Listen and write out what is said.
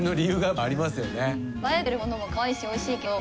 バエてるものもかわいいしおいしいけど。